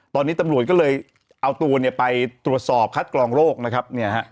ตอนนี้ตำรวจก็เลยเอาตัวไปตรวจสอบคัดกรองโรคนะครับ